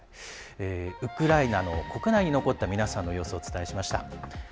ウクライナの国内に残った皆さんの様子をお伝えしました。